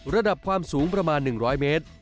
ระดับความสูงประมาณหนึ่งร้อยเมตร